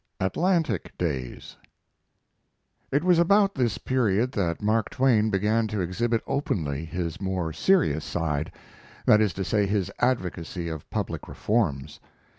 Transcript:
"ATLANTIC" DAYS It was about this period that Mark Twain began to exhibit openly his more serious side; that is to say his advocacy of public reforms.